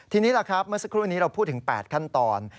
ทีนี้ล่ะครับเมื่อสักครู่นี้เราพูดถึง๘ขั้นตอน